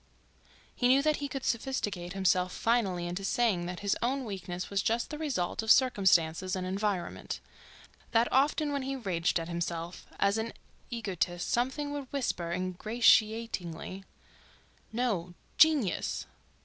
He knew that he could sophisticate himself finally into saying that his own weakness was just the result of circumstances and environment; that often when he raged at himself as an egotist something would whisper ingratiatingly: "No. Genius!"